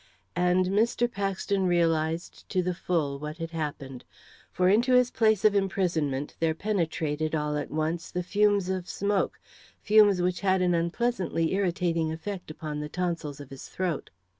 And Mr. Paxton realised to the full what had happened. For into the place of his imprisonment there penetrated, all at once, the fumes of smoke fumes which had an unpleasantly irritating effect upon the tonsils of his throat.